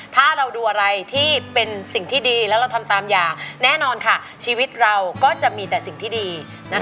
ถ้าเราดูอะไรที่เป็นสิ่งที่ดีแล้วเราทำตามอย่างแน่นอนค่ะชีวิตเราก็จะมีแต่สิ่งที่ดีนะคะ